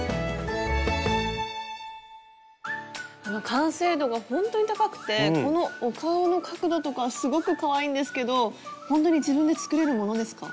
完成度がほんとに高くてこのお顔の角度とかすごくかわいいんですけどほんとに自分で作れるものですか？